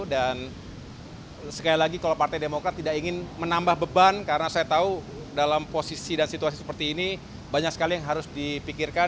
dan sekali lagi kalau partai demokrat tidak ingin menambah beban karena saya tahu dalam posisi dan situasi seperti ini banyak sekali yang harus dipikirkan